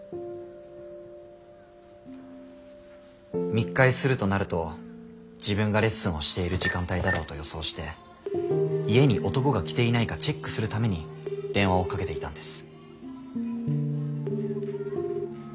密会するとなると自分がレッスンをしている時間帯だろうと予想して家に男が来ていないかチェックするために電話をかけていたんです。